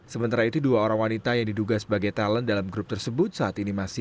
sementara itu dua orang wanita yang diduga sebagai talent dalam grup tersebut saat ini masih